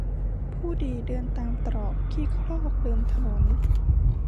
ผู้ดีเดินตามตรอก ขี้ครอกเดินถนน